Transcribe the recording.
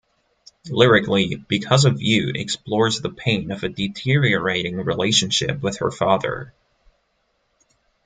Lyrically, "Because of You" explores the pain of a deteriorating relationship with her father.